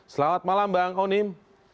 selamat malam bang onim